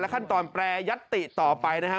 และขั้นตอนแปรยัตติต่อไปนะครับ